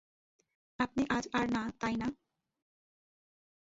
আপনি-আজ আর না, তাই না?